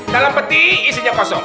dalam peti isinya kosong